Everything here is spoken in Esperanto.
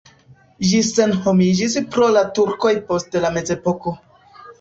Ĝi senhomiĝis pro la turkoj post la mezepoko.